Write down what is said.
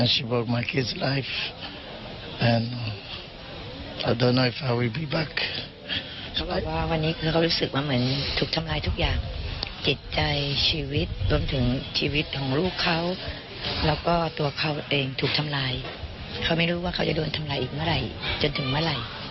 จิตใจชีวิตจนถึงชีวิตของลูกเขาแล้วก็ตัวเขาเองถูกทำลายเขาไม่รู้ว่าเขาจะโดนทำลายอีกเมื่อไหร่จนถึงเมื่อไหร่